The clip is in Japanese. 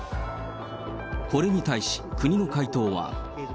これに対し、国の回答は。